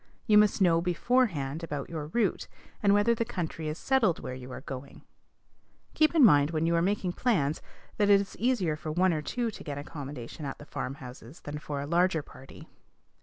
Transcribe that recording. You must know beforehand about your route, and whether the country is settled where you are going. Keep in mind, when you are making plans, that it is easier for one or two to get accommodation at the farmhouses than for a larger party.